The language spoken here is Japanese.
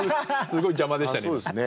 すごい邪魔でしたね。